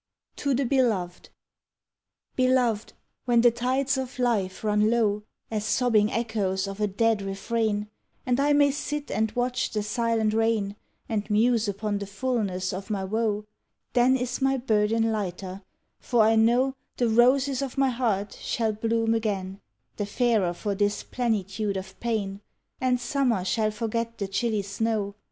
TO THE BELOVED Beloved, when the tides of life run low As sobbing echoes of a dead refrain, And I may sit and watch the silent rain And muse upon the fulness of my woe, Then is my burden lighter, for I know The roses of my heart shall bloom again The fairer for this plenitude of pain, And Summer shall forget the chilly snow.